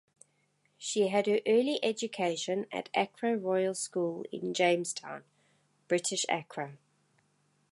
She had her early education at Accra Royal School in James Town (British Accra).